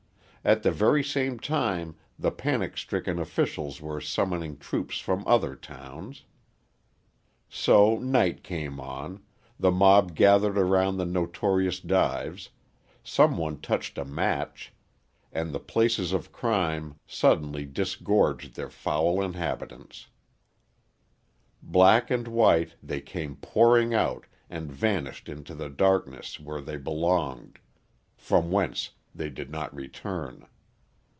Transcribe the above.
At the very same time the panic stricken officials were summoning troops from other towns. So night came on, the mob gathered around the notorious dives, some one touched a match, and the places of crime suddenly disgorged their foul inhabitants. Black and white, they came pouring out and vanished into the darkness where they belonged from whence they did not return.